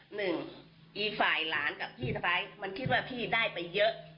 อีกฝ่ายหลานกับพี่สะพ้ายมันคิดว่าพี่ได้ไปเยอะ